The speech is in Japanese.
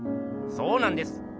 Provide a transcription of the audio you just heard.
そうなんです。